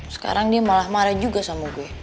sekarang dia malah marah juga sama gue